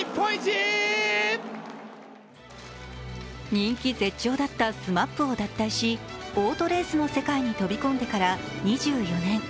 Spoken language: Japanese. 人気絶頂だったＳＭＡＰを脱退しオートレースの世界に飛び込んでから２４年。